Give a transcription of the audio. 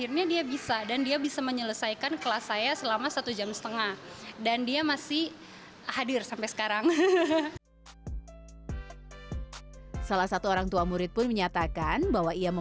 eksistensi model cilik mulai naik daun beberapa waktu belakangan